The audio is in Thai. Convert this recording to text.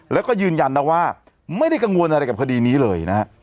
แล้วก็ยืนยันนะว่าไม่ได้กังวลอะไรกับคดีนี้เลยนะฮะ